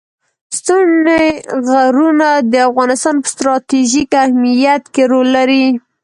ستوني غرونه د افغانستان په ستراتیژیک اهمیت کې رول لري.